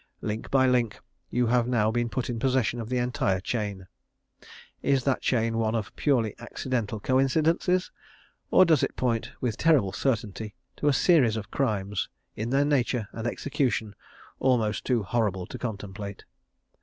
Link by link you have now been put in possession of the entire chain. Is that chain one of purely accidental coincidences, or does it point with terrible certainty to a series of crimes, in their nature and execution almost too horrible to contemplate?